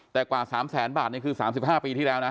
แต่กว่า๓แสนบาทนี่คือ๓๕ปีที่แล้วนะ